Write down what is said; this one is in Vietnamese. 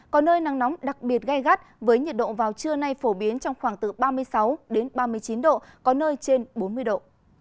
có nơi nắng nóng đặc biệt gai gắt với nhiệt độ vào trưa nay phổ biến trong khoảng từ ba mươi sáu ba mươi chín độ có nơi trên bốn mươi độ